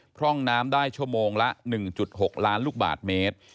พร่องน้ำได้ชั่วโมงละ๑๖ล้านลูกบาทเมตร